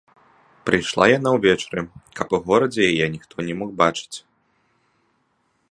Прыйшла яна ўвечары, каб у горадзе яе ніхто не мог бачыць.